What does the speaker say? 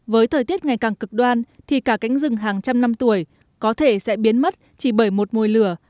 với thời tiết ngày càng cực đoan thì cả cánh rừng hàng trăm năm tuổi có thể sẽ biến mất chỉ bởi một mùi lửa